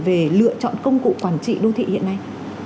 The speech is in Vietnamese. về lựa chọn công cụ quản trị đô thị hiện nay